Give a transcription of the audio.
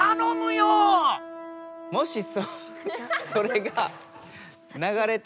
もしそれが流れて。